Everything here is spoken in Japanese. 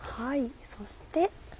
そして。